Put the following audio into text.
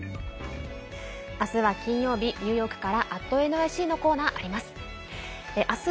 あすは金曜日、ニューヨークから「＠ｎｙｃ」のコーナーあります。